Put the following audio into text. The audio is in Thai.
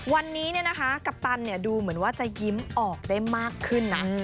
วันนี้นะคะดูเหมือนว่าจะยิ้มออกได้มากขึ้นหน่อย